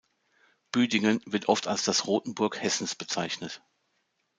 Büdingen wird oft als das Rothenburg Hessens bezeichnet.